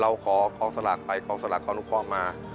เราขอของสลักไปของสลักของลูกครองมา